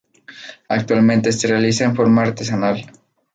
Actualmente se realiza en forma artesanal.